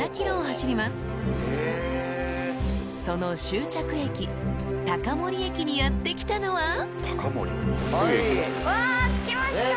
［その終着駅高森駅にやって来たのは］わ着きました。